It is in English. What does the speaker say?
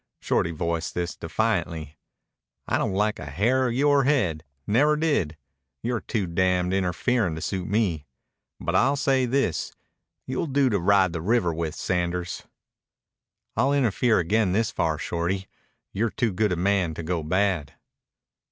Shorty voiced this defiantly. "I don't like a hair of yore head. Never did. You're too damned interferin' to suit me. But I'll say this. You'll do to ride the river with, Sanders." "I'll interfere again this far, Shorty. You're too good a man to go bad."